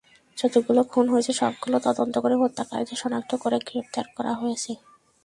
যতগুলো খুন হয়েছে, সবগুলো তদন্ত করে হত্যাকারীদের শনাক্ত করে গ্রেপ্তার করা হয়েছে।